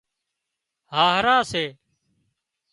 هاهرا سي